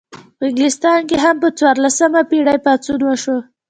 په انګلستان کې هم په څوارلسمه پیړۍ کې پاڅون وشو.